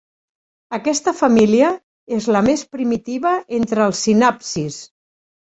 Aquesta família és la més primitiva entre els sinàpsids.